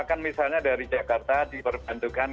kan misalnya dari jakarta diperbantukan